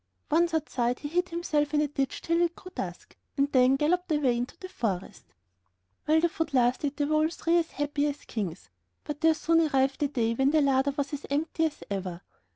Once outside, he hid himself in a ditch till it grew dusk, and then galloped away into the forest. While the food lasted they were all three as happy as kings; but there soon arrived a day when the larder was as empty as ever.